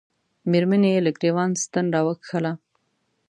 مېرمنې یې له ګرېوان ستن را وکښله.